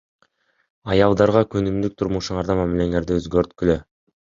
Аялдарга күнүмдүк турмушуңарда мамилеңерди өзгөрткүлө.